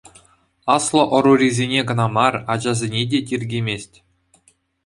Аслӑ ӑрурисене кӑна мар, ачасене те тиркемест.